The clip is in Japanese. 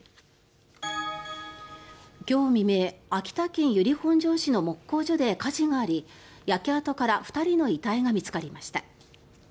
今日未明秋田県由利本荘市の木工所で火事があり焼け跡から２人の遺体が見つかりました。